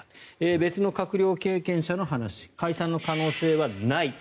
別の閣僚経験者の話解散の可能性はない。